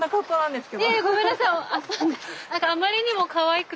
いえいえごめんなさい。